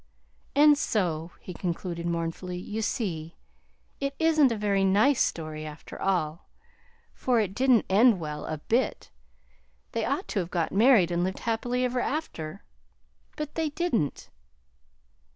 "And so," he concluded mournfully, "you see it isn't a very nice story, after all, for it didn't end well a bit. They ought to have got married and lived happy ever after. But they didn't."